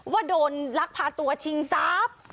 ว่าโดนลักพาตัวชิงทรัพย์